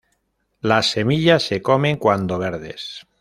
Las semillas se comen cuando verdes.